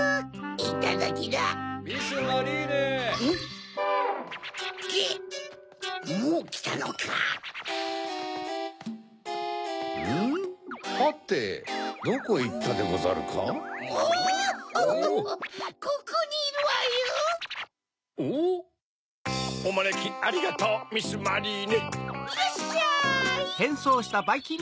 いらっしゃい！